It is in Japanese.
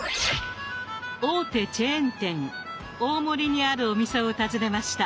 大手チェーン店大森にあるお店を訪ねました。